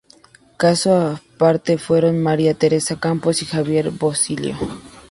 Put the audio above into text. Caso aparte fueron María Teresa Campos y Javier Basilio.